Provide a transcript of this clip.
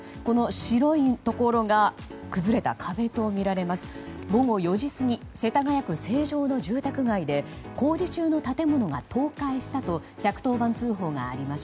白いところが崩れた壁とみられます。